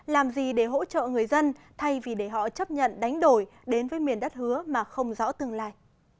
làm gì để hỗ trợ người dân thay vì để họ chấp nhận đánh đổi đến với miền đất hứa mà không rõ tương lai